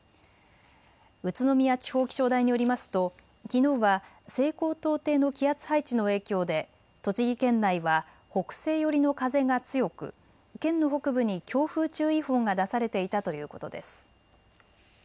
宇都宮地方気象台によりますときのうは西高東低の気圧配置の影響で栃木県内は北西寄りの風が強く、県の北部に強風注意報が出されていたということです。